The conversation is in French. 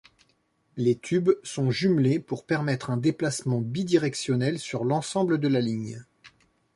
Les tubes sont jumelés pour permettre un déplacement bidirectionnel sur l’ensemble de la ligne.